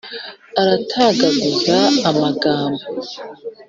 Aratagaguza amagambo.